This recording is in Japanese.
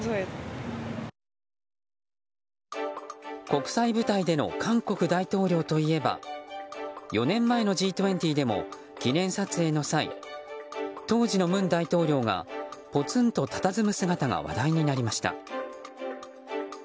国際舞台での韓国大統領といえば４年前のＧ２０でも記念撮影の際当時の文大統領がぽつんとたたずむ姿が話題になりました。